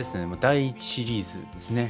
第１シリーズですね。